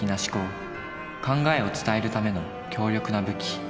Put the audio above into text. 考えを伝えるための強力な武器。